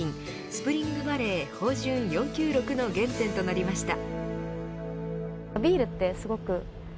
スプリングバレー豊潤４９６の原点となりました。